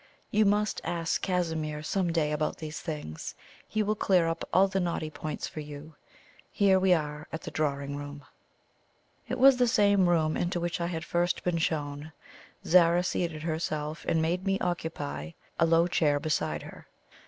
You must ask Casimir some day about these things; he will clear up all the knotty points for you. Here we are at the drawing room door." It was the same room into which I had first been shown. Zara seated herself, and made me occupy a low chair beside her.